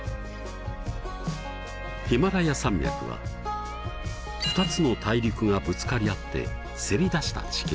ヒマラヤ山脈は２つの大陸がぶつかり合ってせり出した地形。